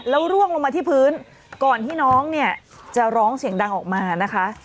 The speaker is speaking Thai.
แล้วร่วงลงมาที่พื้นก่อนที่น้องเนี่ยจะร้องเสียงดังออกมานะคะ